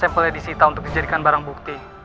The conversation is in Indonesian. sampelnya disita untuk dijadikan barang bukti